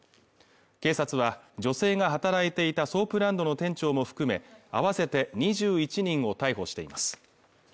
警察は女性が働いていたソープランドの店長も含め合わせて２１人を逮捕しています